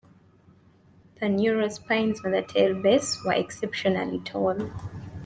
The neural spines on the tail base were exceptionally tall.